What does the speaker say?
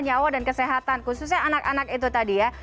nyawa dan kesehatan khususnya anak anak itu tadi ya